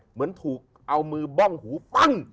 เหมือนถูกเอามือบ้องหูปั้ง